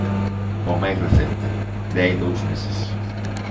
O máis recente, de hai dous meses.